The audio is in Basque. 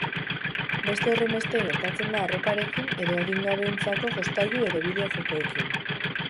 Beste horrenbeste gertatzen da arroparekin edo adingabeentzako jostailu edo bideo-jokoekin.